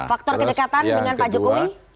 faktor kedekatan dengan pak jokowi